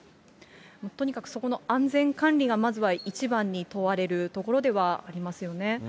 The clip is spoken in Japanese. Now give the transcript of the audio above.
とにかくそこの安全管理が、まずは一番に問われるところではありますよね。